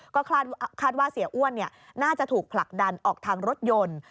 ก็คาดว่าเสียอ้วนน่าจะถูกผลักดันออกทางรถยนต์